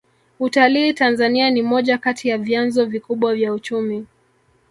utalii tanzania ni moja kati ya vyanzo vikubwa vya uchumi